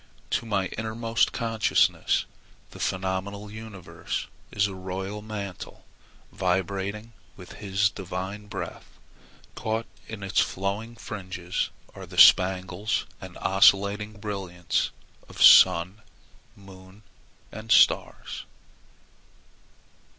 To my innermost consciousness the phenomenal universe is a royal mantle, vibrating with His divine breath. Caught in its flowing fringes are the spangles and oscillating brilliants of sun, moon, and stars.